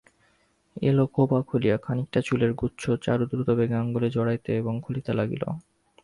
এলো খোঁপা খুলিয়া খানিকটা চুলের গুচ্ছ চারুদ্রুতবেগে আঙুলে জড়াইতে এবং খুলিতে লাগিল।